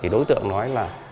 đối tượng nói là